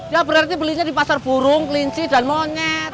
ya berarti belinya di pasar burung kelinci dan monyet